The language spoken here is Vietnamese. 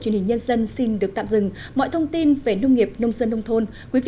truyền hình nhân dân xin được tạm dừng mọi thông tin về nông nghiệp nông dân nông thôn